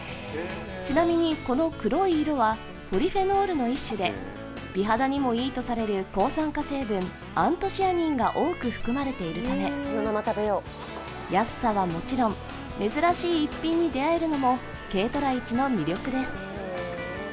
ちなみに、この黒い色はポリフェノールの一種で美肌にもいいとされる抗酸化成分、アントシアニンが多く含まれているため安さはもちろん珍しい逸品に出会えるのも軽トラ市の魅力です。